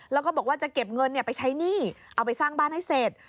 แล้วก็บอกว่าจะเก็บเงินไปใช้หนี้เอาไปสร้างบ้านให้เสร็จ